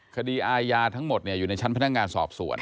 คดีอาญาทั้งหมดอยู่ในชั้นพนักงานสอบสวน